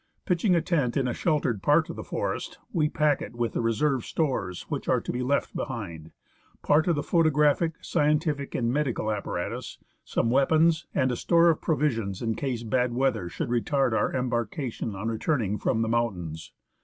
Pitching a tent in a sheltered part of the forest, we pack it with the reserve stores which are to be left behind — part of the photographic, scientific, and medical apparatus, some weapons, and a store of provisions in case bad weather should retard our embarcation on returning from the mountains.